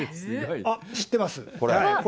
知ってます。